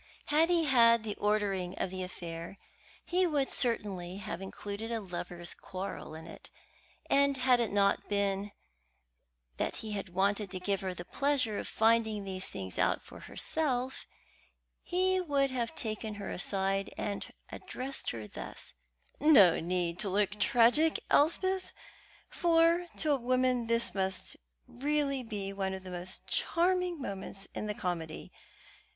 Had he had the ordering of the affair, he would certainly have included a lovers' quarrel in it, and had it not been that he wanted to give her the pleasure of finding these things out for herself, he would have taken her aside and addressed her thus: "No need to look tragic, Elspeth; for to a woman this must be really one of the most charming moments in the comedy.